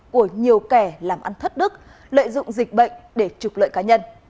của nhiều kẻ làm ăn thất đức lợi dụng dịch bệnh để trục lợi cá nhân